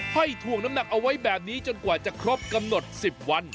ถ่วงน้ำหนักเอาไว้แบบนี้จนกว่าจะครบกำหนด๑๐วัน